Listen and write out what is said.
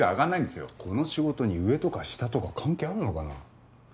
この仕事に上とか下とか関係あるのかな。